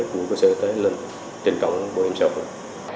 của cơ sở y tế lên trên trọng của bộ y tế